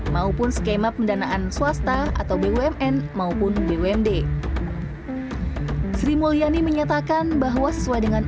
maupun skema pendanaan swasta atau bumn maupun bumd sri mulyani menyatakan bahwa sesuai dengan